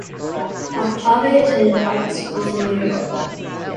Octave attended private schools in New York.